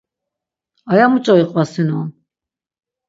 Aya muç̌o iqvasinon?